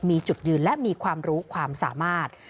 มีจุดยืนและมีความรู้ความสามารถ